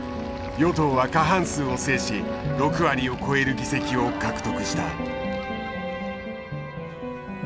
与党は過半数を制し６割を超える議席を獲得した。